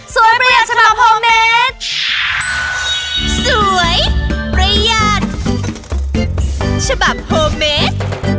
สวยประหยัดฉบับโฮเมด